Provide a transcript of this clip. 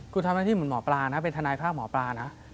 คุณทำหน้าที่เหมือนหมอปลานะเป็นทนายภาคหมอปลานะ